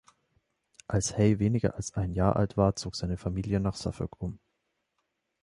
Als Hay weniger als ein Jahr alt war, zog seine Familie nach Suffolk um.